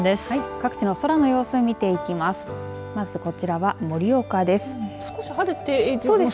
各地の空の様子を見ていきます。